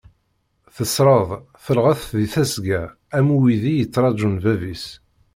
Tesred, telɣet di tesga am uydi yettrajun bab-is.